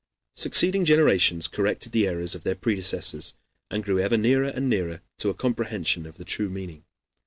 Succeeding generations corrected the errors of their predecessors, and grew ever nearer and nearer to a comprehension of the true meaning.